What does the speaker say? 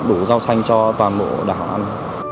đủ rau xanh cho toàn bộ đảo ăn